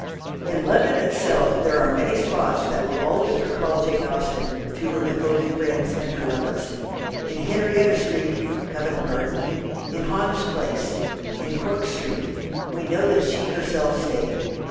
In London itself there are many spots that will always recall Jane Austen to her devoted friends and her lovers. In Henrietta Street (Covent Garden), in Hans Place, in Cork Street, we know that she herself stayed.